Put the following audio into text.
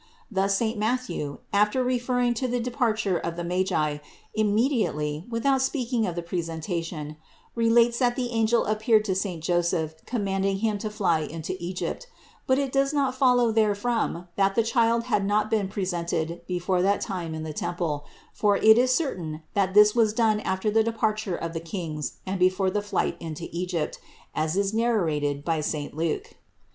Thus saint Matthew, after referring to the de parture of the Magi, immediately, without speaking of the Presentation, relates that the angel appeared to saint Joseph commanding him to fly into Egypt; but it does not follow therefrom that the Child had not been pre sented before that time in the temple, for it is certain that this was done after the departure of the Kings and before the flight into Egypt, as is narrated by saint Luke.